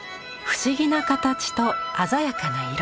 不思議な形と鮮やかな色。